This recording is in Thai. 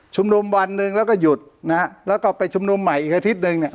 วันหนึ่งแล้วก็หยุดนะฮะแล้วก็ไปชุมนุมใหม่อีกอาทิตย์หนึ่งเนี่ย